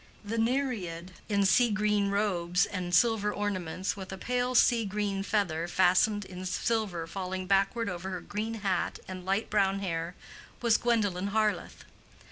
The Nereid in sea green robes and silver ornaments, with a pale sea green feather fastened in silver falling backward over her green hat and light brown hair, was Gwendolen Harleth.